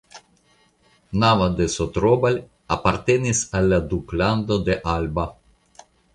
Nava de Sotrobal apartenis al la Duklando de Alba.